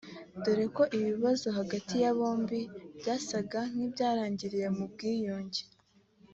dore ko ibibazo hagati ya bombi byasaga nk’ibyarangiriye mu bwiyunge